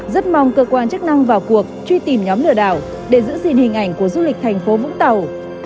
rất mong cơ quan chức năng vào cuộc truy tìm nhóm lừa đảo để giữ gìn hình ảnh của du lịch thành phố vũng tàu